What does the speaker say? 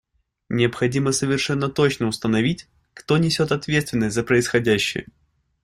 Необходимо совершенно точно установить, кто несет ответственность за происходящее.